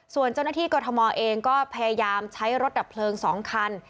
ส่วนเจ้าหน้าที่กรทมเองก็พยายามใช้รถดับเพลิง๒คัน